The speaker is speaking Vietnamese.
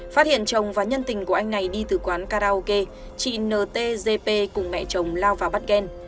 phát hiện chồng và nhân tình của anh này đi từ quán karaoke chị ntgp cùng mẹ chồng lao vào bắt gan